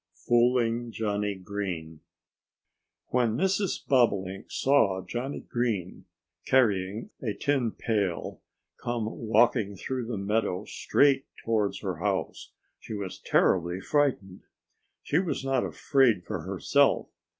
X FOOLING JOHNNIE GREEN WHEN Mrs. Bobolink saw Johnnie Green, carrying a tin pail, come walking through the meadow straight towards her house she was terribly frightened. She was not afraid for herself.